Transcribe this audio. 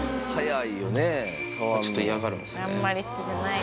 ちょっと嫌がるんですね。